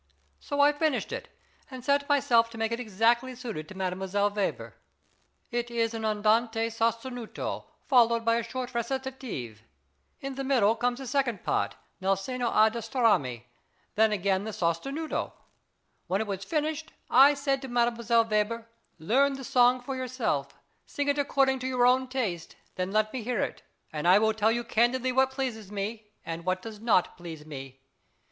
So I finished it, and set myself to make it exactly suited to Mdlle. Weber. It is an andante sostenuto, following a short recitative. In the middle comes the second part, "Nel seno a destarmi;" then again the sostenuto. When it was finished, I said to Mdlle. Weber, "Learn the song for yourself; sing it according to your own taste; then let me hear it, and I will tell you candidly what pleases me and what does not please me."